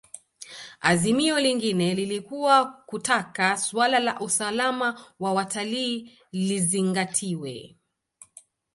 Azimio lingine lilikuwa kutaka suala la usalama wa watalii lizingatiwe